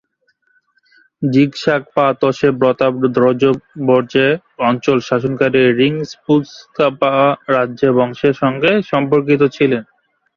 ঝিগ-শাগ-পা-ত্শে-ব্র্তান-র্দো-র্জে গ্ত্সাং অঞ্চল শাসনকারী রিং-স্পুংস-পা রাজবংশের সঙ্গে সম্পর্কিত ছিলেন।